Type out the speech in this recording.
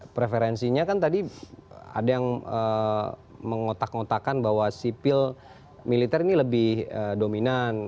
preferensinya kan tadi ada yang mengotak ngotakan bahwa sipil militer ini lebih dominan